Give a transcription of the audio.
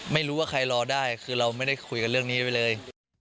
ไม่รู้ว่าใครรอได้คือเราไม่ได้คุยกันเรื่องนี้ไว้เลย